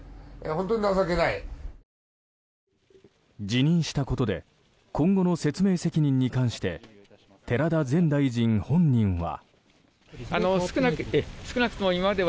辞任したことで今後の説明責任に関して寺田前大臣本人は。